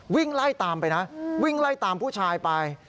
วิ่งไล่ตามไปนะวิ่งไล่ตามผู้ชายไป